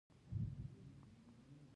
ځینې خبریالان داسې هک پک ښکارېدل چې هغه.